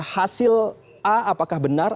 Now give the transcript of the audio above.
hasil a apakah benar